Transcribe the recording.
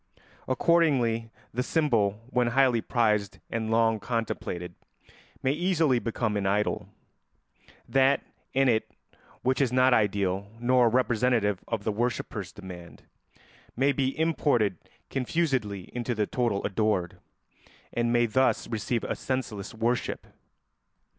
Accordingly the symbol, when highly prized and long contemplated, may easily become an idol; that in it which is not ideal nor representative of the worshipper's demand may be imported confusedly into the total adored, and may thus receive a senseless worship.